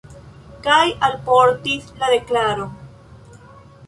Kaj alportis la deklaron.